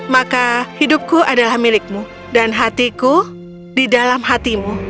maka hidupku adalah milikmu dan hatiku di dalam hatimu